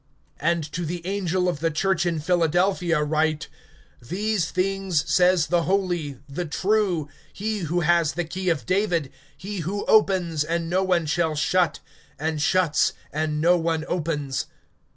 (7)And to the angel of the church in Philadelphia write: These things says the Holy, the True, he who has the key of David, he who opens, and no one shall shut, and shuts, and no one opens.